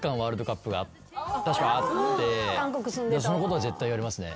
そのことは絶対言われますね。